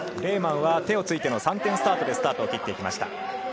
レーマンは手をついての３点スタートでスタートを切りました。